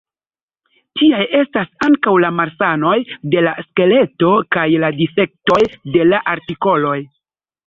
Tiaj estas ankaŭ la malsanoj de la skeleto, kaj la difektoj de la artikoloj.